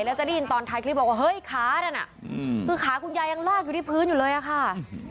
แล้วจะได้ยินตอนท้ายคลิปบอกว่าเฮ้ยขานั่นน่ะคือขาคุณยายยังลากอยู่ที่พื้นอยู่เลยอะค่ะ